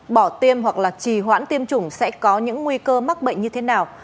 bỏ tiêm hoặc là trì hoãn tiêm chủng sẽ có những nguy cơ mắc bệnh như thế nào